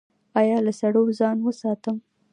ایا له سړو ځان وساتم؟